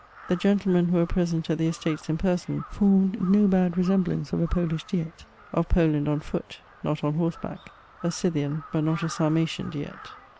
The gen tlemen who were present at the Estates in person, formed no bad resemblance of a Polish Diet — of Poland on foot, not on horse back—a Scythian, but not a Sarmatian Diet.